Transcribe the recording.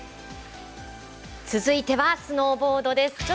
続いてはスノーボードです。